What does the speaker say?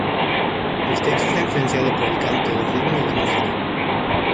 El texto está influenciado por el canto, el ritmo y la música.